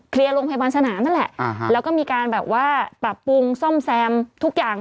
โรงพยาบาลสนามนั่นแหละแล้วก็มีการแบบว่าปรับปรุงซ่อมแซมทุกอย่าง